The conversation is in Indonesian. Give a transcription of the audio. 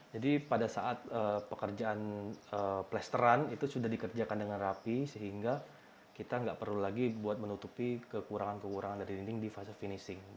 jadi pada saat pekerjaan plasteran itu sudah dikerjakan dengan rapi sehingga kita nggak perlu lagi menutupi kekurangan kekurangan dari dinding di fase finishing